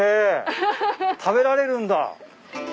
食べられるんだ。